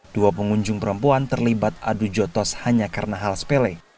dua pengunjung perempuan terlibat adu jotos hanya karena hal sepele